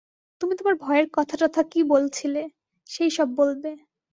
তুমি তোমার ভয়ের কথাটথা কি বলছিলে, সেই সব বলবে।